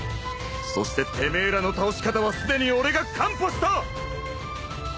そしててめえらの倒し方はすでに俺が看破した！